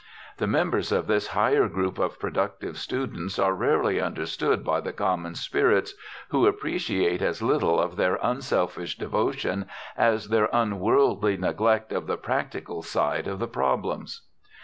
The members of this higher group of productive students are rarely understood by the common spirits, who appreciate as little their unselfish devotion as their unworldly neglect of the practical side of the problems.